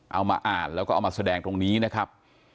เอามาอ่านแล้วก็เอามาแสดงตรงนี้นะครับ